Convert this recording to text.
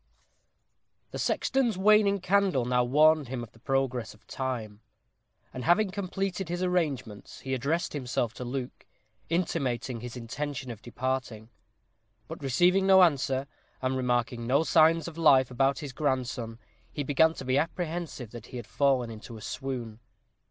_ The sexton's waning candle now warned him of the progress of time, and having completed his arrangements, he addressed himself to Luke, intimating his intention of departing. But receiving no answer, and remarking no signs of life about his grandson, he began to be apprehensive that he had fallen into a swoon.